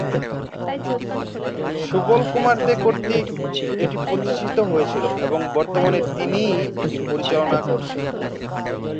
সুবল কুমার দে কর্তৃক এটি প্রতিষ্ঠিত হয়েছিল এবং বর্তমানে তিনিই এটি পরিচালনা করছেন।